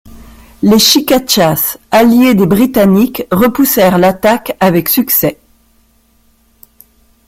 Les Chicachas, alliés des Britanniques, repoussèrent l'attaque avec succès.